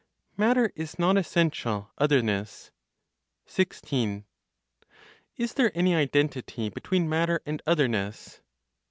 MATTER IS NONESSENTIAL OTHERNESS. 16. Is there any identity between matter and otherness?